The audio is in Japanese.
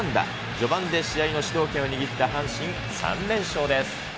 序盤で試合の主導権を握った阪神、３連勝です。